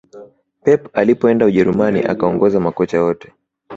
pep alipoenda ujerumani akaongoza makocha wote